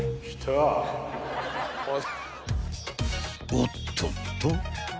［おっとっと］